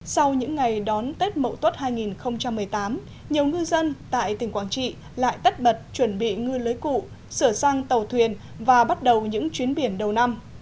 sau những ngày đón tết mậu tuất hai nghìn một mươi tám nhiều ngư dân tại tỉnh quảng trị lại tất bật chuẩn bị ngư lưới cụ sửa sang tàu thuyền và bắt đầu những chuyến biển đầu năm